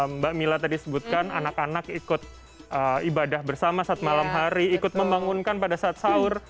mbak mila tadi sebutkan anak anak ikut ibadah bersama saat malam hari ikut membangunkan pada saat sahur